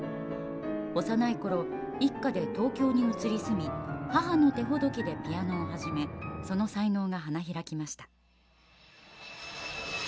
幼いころ、一家で東京に移り住み母の手ほどきでピアノを始めその才能が花開きました。